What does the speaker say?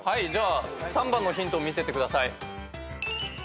３番のヒントを見せてください。